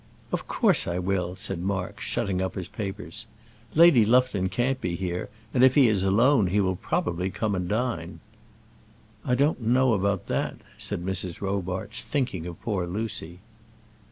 "Of course I will," said Mark, shutting up his papers. "Lady Lufton can't be here, and if he is alone he will probably come and dine." "I don't know about that," said Mrs. Robarts, thinking of poor Lucy.